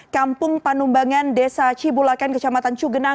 kampung panumbangan desa cibulakan kecamatan cugenang